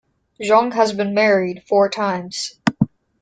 Jong has been married four times.